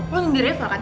lo nyindirnya fah kan